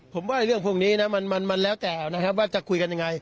ผมว่าเรื่องพวกนี้มันแล้วแต่ว่าจะคุยกันอย่างไร